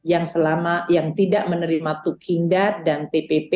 kami akan mencari tukin daerah yang tidak menerima tukin dan tpp